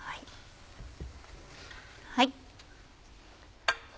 はい。